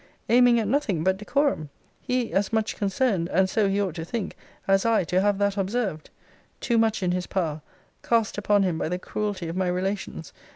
Aiming at nothing but decorum. He as much concerned, and so he ought to think, as I, to have that observed. Too much in his power: cast upon him by the cruelty of my relations.